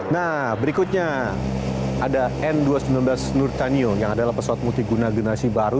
nah berikutnya ada n dua ratus sembilan belas nurtanio yang adalah pesawat multiguna generasi baru